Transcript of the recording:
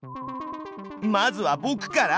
まずはぼくから！